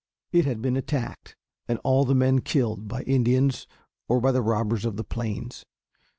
It had been attacked and all the men killed by Indians or by the robbers of the plains.